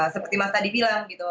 seperti mas tadi bilang gitu